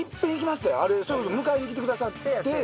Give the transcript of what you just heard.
それこそ迎えに来てくださって。